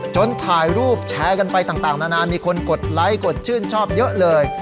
ถ่ายรูปแชร์กันไปต่างนานามีคนกดไลค์กดชื่นชอบเยอะเลย